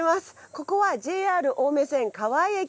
ここはＪＲ青梅線川井駅。